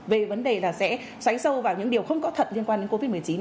về vấn đề là sẽ xoáy sâu vào những điều không có thật liên quan đến covid một mươi chín